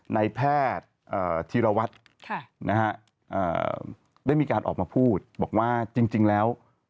ในแพทย์ธีรวัตรได้มีการออกมาพูดบอกว่าจริงแล้ว